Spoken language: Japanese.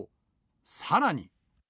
さらに。